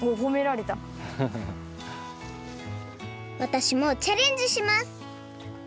わたしもチャレンジします